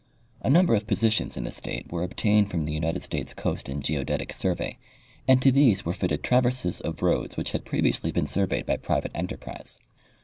A number of positions in the state were obtained from the United States Coast and Geodetic survey and to these were fitted traverses of roads which had previously been surveyed by private enterprise.